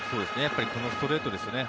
このストレートですね。